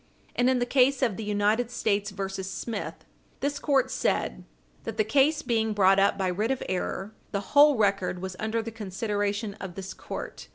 And in the case of the United States v. Smith, 11 Wheat. 171, this court said, that the case being brought up by writ of error, the whole record was under the consideration of this court.